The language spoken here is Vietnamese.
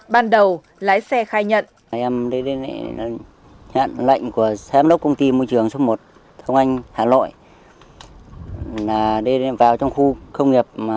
ban đầu lái xe khai nhận